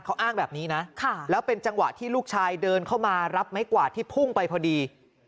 เขาอ้างแบบนี้นะแล้วเป็นจังหวะที่ลูกชายเดินเข้ามารับไม้กวาดที่พุ่งไปพอดี